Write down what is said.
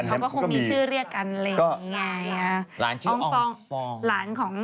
ชื่อองฟอง